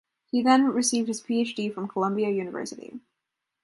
He then received his PhD from Columbia University.